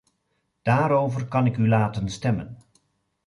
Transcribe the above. Daarover kan ik u laten stemmen.